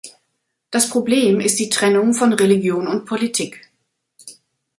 Das Problem ist die Trennung von Religion und Politik.